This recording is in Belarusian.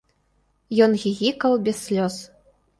Ён гігікаў без слёз.